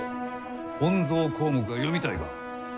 「本草綱目」が読みたいか？